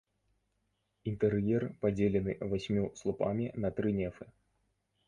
Інтэр'ер падзелены васьмю слупамі на тры нефы.